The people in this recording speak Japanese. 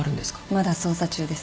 まだ捜査中です。